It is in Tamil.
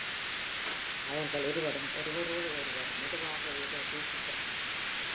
அவர்கள் இருவரும் ஒருவரோடு ஒருவர் மெதுவாக ஏதோ பேசிக்கொாண்டனர்.